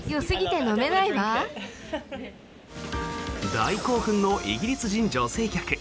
大興奮のイギリス人女性客。